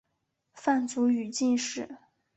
范祖禹进士。